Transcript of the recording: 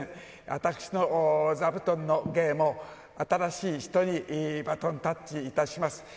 私の座布団の芸も、新しい人にバトンタッチいたします。